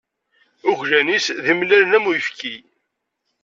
Uglan-is d imellalen am uyefki.